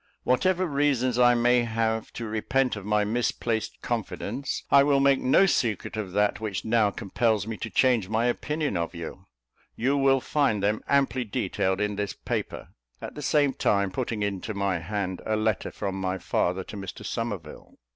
Whatever reasons I may have to repent of my misplaced confidence, I will make no secret of that which now compels me to change my opinion of you; you will find them amply detailed in this paper," at the same time putting into my hand a letter from my father to Mr Somerville.